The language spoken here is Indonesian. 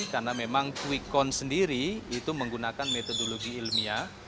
karena memang kwikon sendiri itu menggunakan metodologi ilmiah